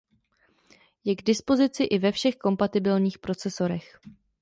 Je k dispozici i ve všech kompatibilní procesorech.